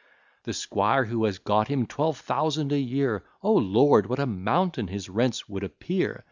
The squire who has got him twelve thousand a year, O Lord! what a mountain his rents would appear!